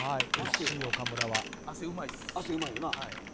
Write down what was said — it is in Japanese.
亜生、うまいよな。